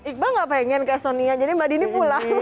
iqbal gak pengen ke sonia jadi mbak dini pulang